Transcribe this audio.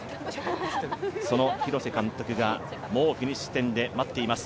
その廣瀬監督がもうフィニッシュ地点で待っています。